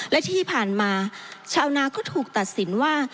และที่ผ่านมาชาวนาก็ถูกตัดสินว่า